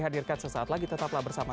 hadirkan sesaat lagi tetaplah bersama